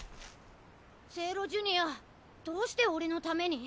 ゼーロジュニアどうして俺のために？